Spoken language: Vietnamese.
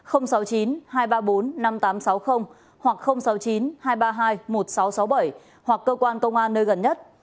hoặc sáu mươi chín hai trăm ba mươi hai một nghìn sáu trăm sáu mươi bảy hoặc cơ quan công an nơi gần nhất